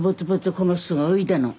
この人が植えたの。